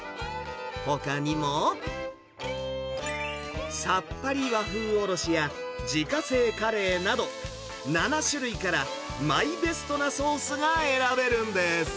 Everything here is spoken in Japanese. ほかにも、さっぱり和風おろしや自家製カレーなど、７種類からマイベストなソースが選べるんです。